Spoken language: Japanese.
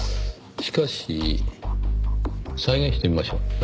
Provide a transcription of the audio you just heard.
しかし。再現してみましょう。